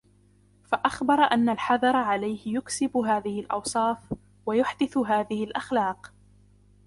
فَأَخْبَرَ أَنَّ الْحَذَرَ عَلَيْهِ يُكْسِبُ هَذِهِ الْأَوْصَافَ ، وَيُحْدِثُ هَذِهِ الْأَخْلَاقَ